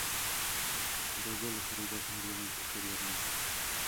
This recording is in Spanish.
Dos de los heridos murieron posteriormente.